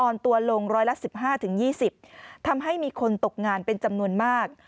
อ่อนตัวลง๑๑๕๒๐ทำให้มีคนตกงานเป็นจำนวนมาก